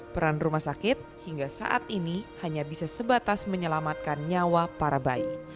peran rumah sakit hingga saat ini hanya bisa sebatas menyelamatkan nyawa para bayi